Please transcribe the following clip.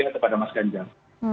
kepada mas ganjar